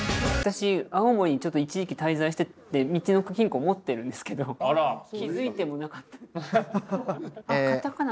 私青森にちょっと一時期滞在しててみちのく銀行持ってるんですけど気づいてもなかった。